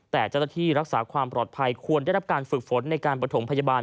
แต่เจ้าหน้าที่รักษาความปลอดภัยควรได้รับการฝึกฝนในการประถมพยาบาล